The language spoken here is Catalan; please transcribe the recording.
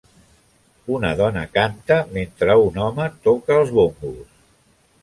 Una dona canta mentre un home toca els bongos.